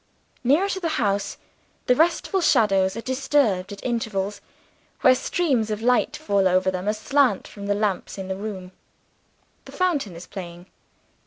Nearer to the house, the restful shadows are disturbed at intervals, where streams of light fall over them aslant from the lamps in the room. The fountain is playing.